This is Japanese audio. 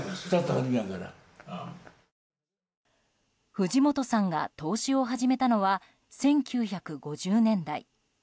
藤本さんが投資を始めたのは１９５０年代。